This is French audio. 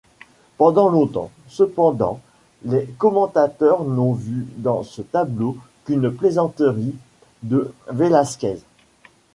Pendant longtemps, cependant, les commentateurs n’ont vu dans ce tableau qu’une plaisanterie de Vélasquez.